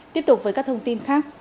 tiếp tục với các thông tin khác